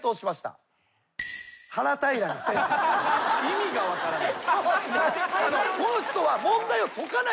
意味が分からない。